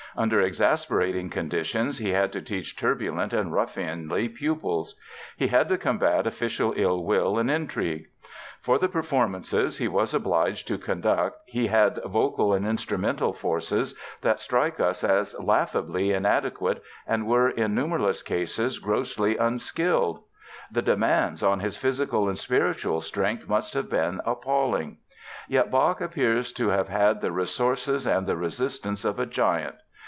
Under exasperating conditions he had to teach turbulent and ruffianly pupils. He had to combat official ill will and intrigue. For the performances he was obliged to conduct he had vocal and instrumental forces that strike us as laughably inadequate and were in numberless cases grossly unskilled. The demands on his physical and spiritual strength must have been appalling. Yet Bach appears to have had the resources and the resistance of a giant.